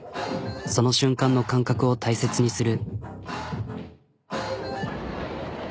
その瞬間の感覚を大切にする。